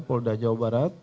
polda jawa barat